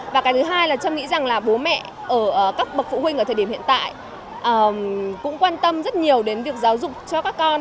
và cái thứ hai là tôi nghĩ rằng là bố mẹ ở các bậc phụ huynh ở thời điểm hiện tại cũng quan tâm rất nhiều đến việc giáo dục cho các con